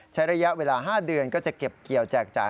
ระยะเวลา๕เดือนก็จะเก็บเกี่ยวแจกจ่าย